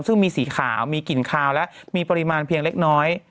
ซึ่งมีสีขาวมีกลิ่นคาวและมีปริมาณเพียงเล็กน้อย